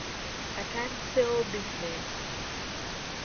Atandiseewo bizinensi.